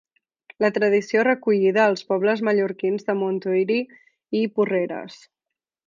La tradició és recollida als pobles mallorquins de Montuïri i Porreres.